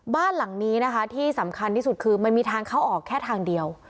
บ้านหลังนี้นะคะที่สำคัญที่สุดคือมันมีทางเข้าออกแค่ทางเดียว